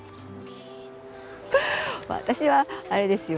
私はあれですよ。